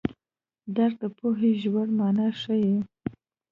درک د پوهې ژوره مانا ښيي.